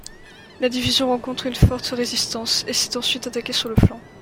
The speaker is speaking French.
La division rencontre une forte résistance, et est ensuite attaquée sur le flanc.